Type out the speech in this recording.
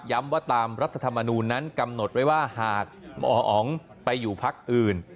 ว่าตามรัฐธรรมนูญนั้นกำหนดไว้ว่าหากหมออ๋องไปอยู่พักอื่น